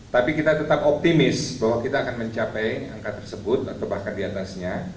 tapi kita tetap optimis bahwa kita akan mencapai angka tersebut atau bahkan diatasnya